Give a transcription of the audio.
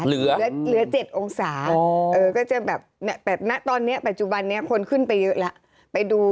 เหลือ๗องศาก็จะแบบตอนนี้ปัจจุบันนี้คนขึ้นไปเยอะละ